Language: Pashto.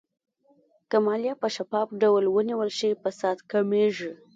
که مالیه په شفاف ډول ونیول شي، فساد کمېږي.